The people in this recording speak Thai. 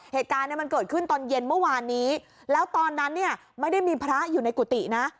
เหตุการณ์เนี่ยมันเกิดขึ้นตอนเย็นเมื่อวานนี้แล้วตอนนั้นเนี่ยไม่ได้มีพระอยู่ในกุฏินะ